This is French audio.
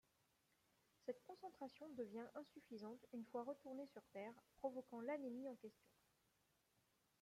Cette concentration devient insuffisante une fois retourné sur terre, provoquant l'anémie en question.